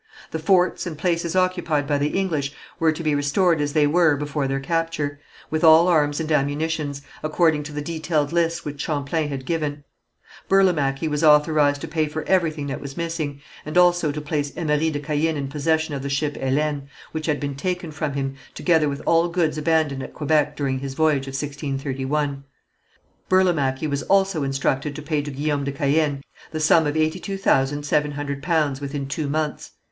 The forts and places occupied by the English were to be restored as they were before their capture, with all arms and ammunition, according to the detailed list which Champlain had given. Burlamachi was authorized to pay for everything that was missing, and also to place Emery de Caën in possession of the ship Hélène, which had been taken from him, together with all goods abandoned at Quebec during his voyage of 1631. Burlamachi was also instructed to pay to Guillaume de Caën the sum of eighty two thousand seven hundred pounds within two months.